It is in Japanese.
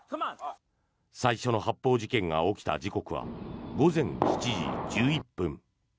最初の発砲事件が起きた時刻は午前７時１１分。